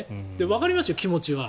わかりますよ、気持ちは。